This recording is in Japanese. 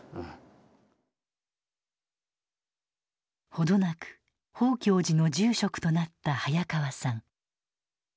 程なく宝鏡寺の住職となった早川さん。